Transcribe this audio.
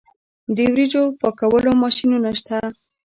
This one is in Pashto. د وریجو پاکولو ماشینونه شته